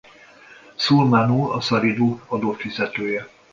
Sulmánu-asarídu adófizetője.